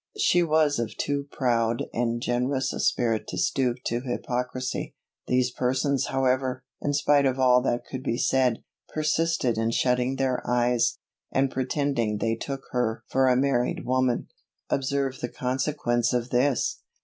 She was of too proud and generous a spirit to stoop to hypocrisy. These persons however, in spite of all that could be said, persisted in shutting their eyes, and pretending they took her for a married woman. Observe the consequence of this!